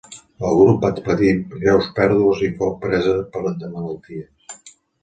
El grup va patir greus pèrdues i fou presa de malalties.